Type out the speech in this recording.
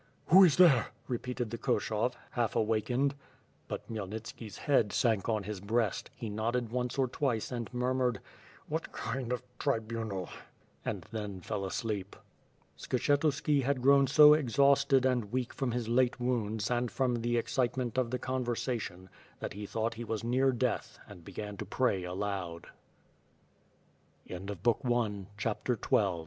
"Who is there?" repeated the Koshov, half awakened. But Khmyelnitski's head sank on his breast, he nodded once or twice and murmured: "What kind of tribunal?" and then fell asleep. Skshetuski had grown so exhausted and weak from his late wounds and from the excitement of the conversation that he thought he was near dea